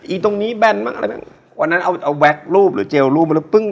ไอ้ตรงนี้แบนมากอะไรแม่งวันนั้นเอาแว็กรูปหรือเจลรูปหรือปึ้ง